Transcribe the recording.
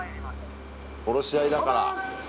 殺し合いだから。